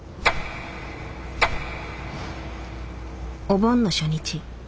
お盆の初日。